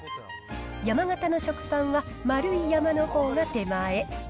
山型の食パンは丸い山のほうが手前。